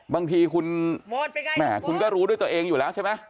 บางทีคุณแม่คุณก็รู้ด้วยตัวเองอยู่แล้วใช่ไหม